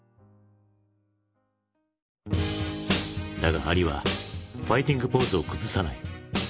だがアリはファイティングポーズを崩さない。